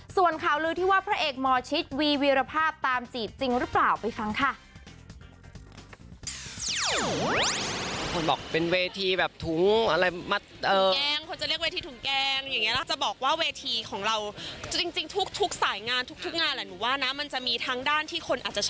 ส่วนข่าวลือที่ว่าพระเอกหมอชิตวีวีรภาพตามจีบจริงหรือเปล่าไปฟังค่ะ